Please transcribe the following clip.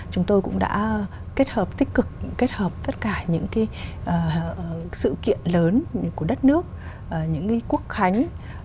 chúng tôi cũng đã kết hợp tích cực kết hợp tất cả những sự kiện lớn của đất nước những quốc khánh